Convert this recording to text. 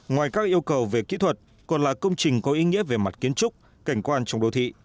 ngoài các yêu cầu về kỹ thuật còn là công trình có ý nghĩa về mặt kiến trúc cảnh quan trong đô thị